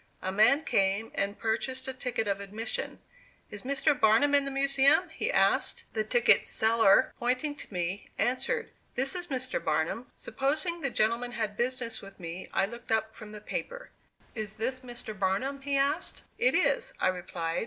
A man came and purchased a ticket of admission. "Is Mr. Barnum in the Museum?" he asked. The ticket seller, pointing to me, answered, "This is Mr. Barnum." Supposing the gentleman had business with me, I looked up from the paper. "Is this Mr. Barnum?" he asked. "It is," I replied.